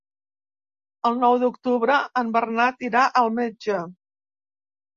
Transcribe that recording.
El nou d'octubre en Bernat irà al metge.